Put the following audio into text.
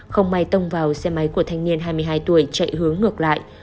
không may tông vào xe máy của thanh niên hai mươi hai tuổi chạy hướng ngược lại